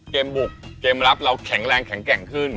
บุกเกมรับเราแข็งแรงแข็งแกร่งขึ้น